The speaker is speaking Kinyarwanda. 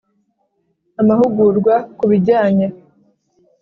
Amahugurwa ku bijyanye